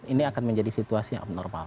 ini akan menjadi situasi yang abnormal